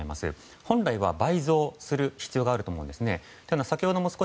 本来は倍増する必要があると思うんです。